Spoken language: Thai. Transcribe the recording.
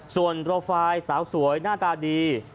ส่วนโปรไฟล์สาวสวยหน้าตาดี